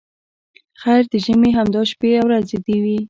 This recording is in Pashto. خیر د ژمي همدا شپې او ورځې وې.